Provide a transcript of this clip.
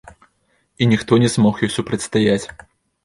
І ніхто не змог ёй супрацьстаяць.